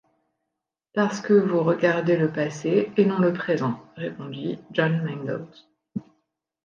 Parce que vous regardez le passé et non le présent, répondit John Mangles.